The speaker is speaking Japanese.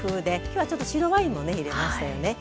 今日はちょっと白ワインもね入れましたよね。